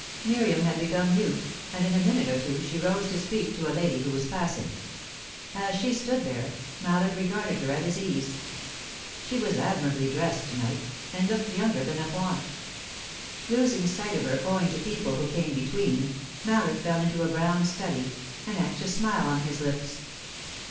Miriam had become mute, and in a minute or two she rose to speak to a lady who was passing. As she stood there, Mallard regarded her at his ease. She was admirably dressed to night, and looked younger than of wont. Losing sight of her, owing to people who came between, Mallard fell into a brown study, an anxious smile on his lips.